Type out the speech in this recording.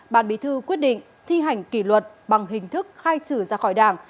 ban bí thư quyết định thi hành kỷ luật bằng hình thức khai trừ ra khỏi đảng